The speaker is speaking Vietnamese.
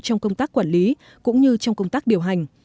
trong công tác quản lý cũng như trong công tác điều hành